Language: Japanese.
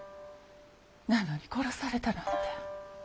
なのに殺されたなんて。